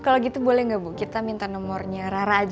kalau gitu boleh gak ibu kita minta nomernya rara aja